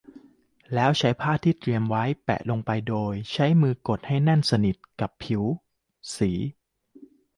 แล้วใช้ผ้าที่เตรียมไว้แปะลงไปโดยใช้มือกดให้แนบสนิทไปกับผิว สี่